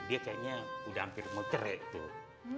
dia kayaknya udah hampir mau cerek tuh